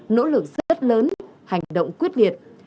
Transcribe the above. nỗ lực rất lớn hành động quyết liệt